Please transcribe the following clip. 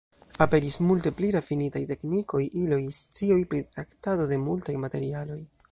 Aperis multe pli rafinitaj teknikoj, iloj, scioj pri traktado de multaj materialoj.